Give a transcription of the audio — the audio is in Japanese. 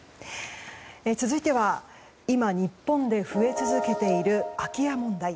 続いては、今、日本で増え続けている空き家問題。